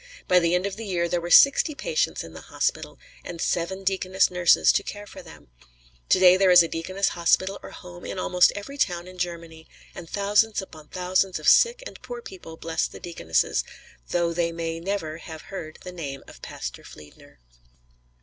By the end of the year there were sixty patients in the hospital, and seven deaconess nurses to care for them. To day there is a deaconess hospital or home in almost every town in Germany, and thousands upon thousands of sick and poor people bless the deaconesses, though they may never have heard the name of Pastor Fliedner.